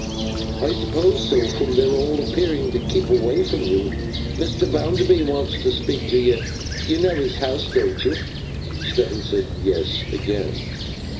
'I supposed so, from their all appearing to keep away from you. Mr. Bounderby wants to speak to you. You know his house, don't you?' Stephen said 'Yes,' again.